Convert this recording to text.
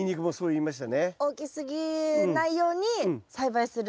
大きすぎないように栽培する。